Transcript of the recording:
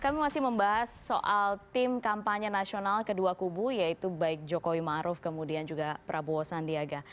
kami masih membahas soal tim kampanye nasional kedua kubu yaitu baik jokowi maruf kemudian juga prabowo sandiaga